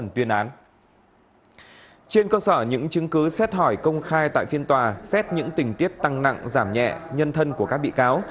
trên cơ sở những chứng cứ xét hỏi công khai tại phiên tòa xét những tình tiết tăng nặng giảm nhẹ nhân thân của các bị cáo